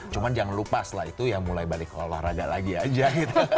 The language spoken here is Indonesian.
cuma jangan lupas lah itu ya mulai balik ke olahraga lagi aja gitu